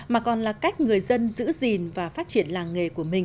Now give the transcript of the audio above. mà còn là cách người dân giữ gìn và phát triển làng nghề của mình